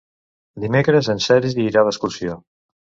Dimecres en Sergi irà d'excursió.